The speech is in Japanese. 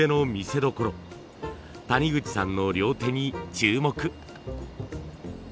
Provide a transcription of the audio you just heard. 谷口さんの両手に注目。